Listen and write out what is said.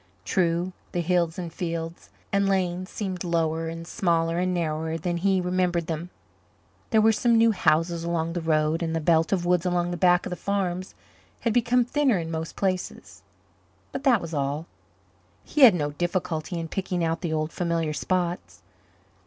True, the hills and fields and lanes seemed lower and smaller and narrower than he remembered them; there were some new houses along the road, and the belt of woods along the back of the farms had become thinner in most places. But that was all. He had no difficulty in picking out the old familiar spots.